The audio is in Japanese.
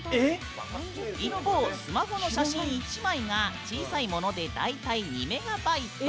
一方、スマホの写真１枚が小さいもので大体２メガバイト。